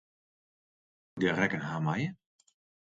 Soe ik de rekken ha meie?